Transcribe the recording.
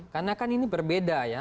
karena kan ini berbeda ya